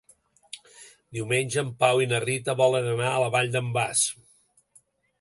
Diumenge en Pau i na Rita volen anar a la Vall d'en Bas.